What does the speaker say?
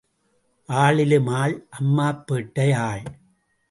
ஆளிலும் ஆள் அம்மாப் பேட்டை ஆள்.